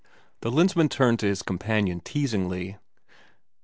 The Lensmand turned to his companion teasingly.